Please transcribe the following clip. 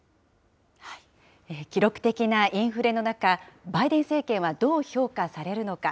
記録的なインフレの中、バイデン政権はどう評価されるのか。